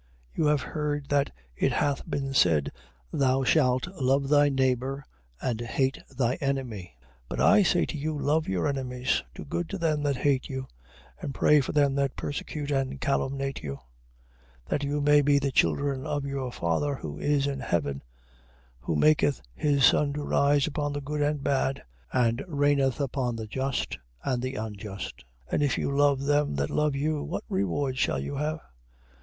5:43. You have heard that it hath been said, Thou shalt love thy neighbour, and hate thy enemy. 5:44. But I say to you, Love your enemies: do good to them that hate you: and pray for them that persecute and calumniate you: 5:45. That you may be the children of your Father who is in heaven, who maketh his sun to rise upon the good, and bad, and raineth upon the just and the unjust. 5:46. For if you love them that love you, what reward shall you have?